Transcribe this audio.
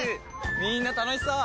みんな楽しそう！